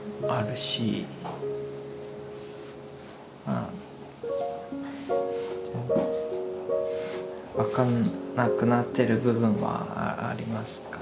まあ分かんなくなってる部分はあります。